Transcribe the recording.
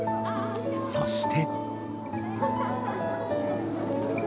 そして。